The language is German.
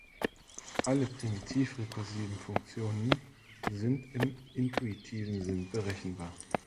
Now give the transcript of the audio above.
Alle primitiv-rekursiven Funktionen sind im intuitiven Sinn berechenbar.